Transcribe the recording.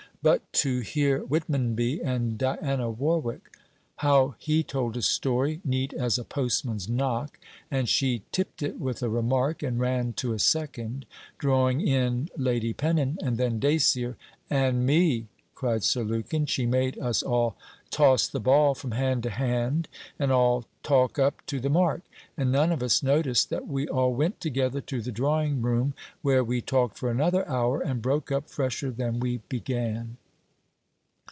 But to hear Whitmonby and Diana Warwick! How he told a story, neat as a postman's knock, and she tipped it with a remark and ran to a second, drawing in Lady Pennon, and then Dacier, 'and me!' cried Sir Lukin; 'she made us all toss the ball from hand to hand, and all talk up to the mark; and none of us noticed that we all went together to the drawing room, where we talked for another hour, and broke up fresher than we began.'